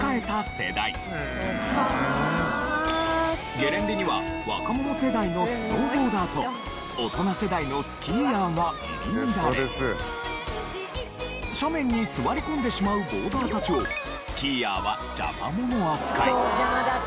ゲレンデには若者世代のスノーボーダーと大人世代のスキーヤーが入り乱れ斜面に座り込んでしまうボーダーたちをスキーヤーは邪魔者扱い。